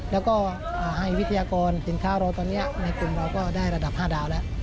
แล้วก็ให้วิทยากรสินค้าเราตอนนี้ในกลุ่มเราก็ได้ระดับ๕ดาวแล้ว